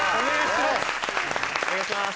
お願いします。